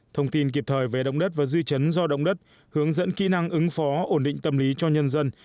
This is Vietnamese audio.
thông tin kịp thời về động đất và dư chấn do động đất hướng dẫn kỹ năng ứng phó ổn định tâm lý cho nhân dân